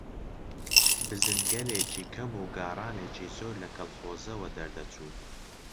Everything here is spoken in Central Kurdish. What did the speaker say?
بزنەگەلێکی کەم و گاڕانێکی زۆر لە کەڵخۆزەوە دەردەچوو